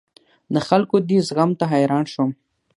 د خلکو دې زغم ته حیران شوم.